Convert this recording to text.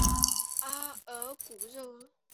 阿尔古热。